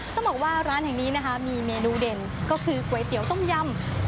ต้องบอกว่าร้านแห่งนี้นะคะมีเมนูเด่นก็คือก๋วยเตี๋ยวต้มยำ